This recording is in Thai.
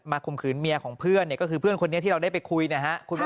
ข่มขืนเมียของเพื่อนเนี่ยก็คือเพื่อนคนนี้ที่เราได้ไปคุยนะฮะ